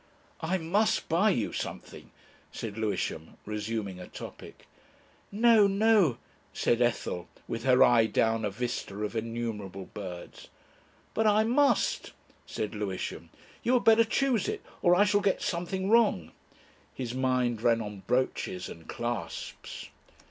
"I must buy you something," said Lewisham, resuming a topic. "No, no," said Ethel, with her eye down a vista of innumerable birds. "But I must," said Lewisham. "You had better choose it, or I shall get something wrong." His mind ran on brooches and clasps.